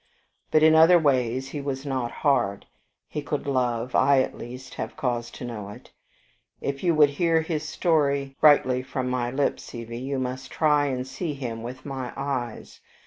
But in other ways he was not hard. He could love; I, at least, have cause to know it. If you would hear his story rightly from my lips, Evie, you must try and see him with my eyes.